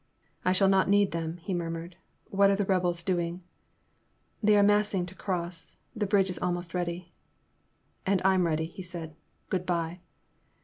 I shall not need them, he murmured, what are the rebels doing ?They are massing to cross. The bridge is almost ready. And I *m ready, he said, good bye."